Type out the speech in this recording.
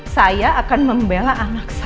saya akan membela anak saya